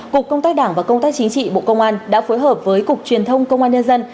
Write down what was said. cục công tác đảng và công tác chính trị bộ công an đã phối hợp với cục truyền thông công an nhân dân